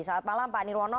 selamat malam pak nirwono